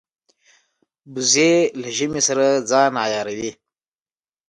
وزې له ژمې سره ځان عیاروي